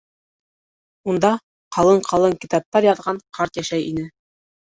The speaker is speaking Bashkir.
Унда ҡалын-ҡалын китаптар яҙған ҡарт йәшәй ине.